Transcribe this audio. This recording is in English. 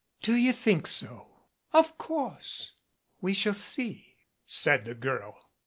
"Do you think so?" "Of course." "We shall see," said the girl.